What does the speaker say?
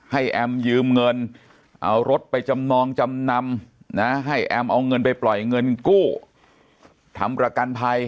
แอมยืมเงินเอารถไปจำนองจำนำนะให้แอมเอาเงินไปปล่อยเงินกู้ทำประกันภัย